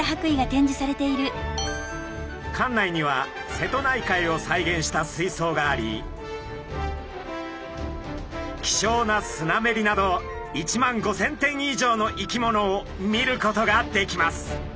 館内には瀬戸内海を再現した水そうがあり希少なスナメリなど１万５，０００点以上の生き物を見ることができます。